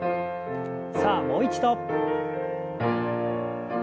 さあもう一度。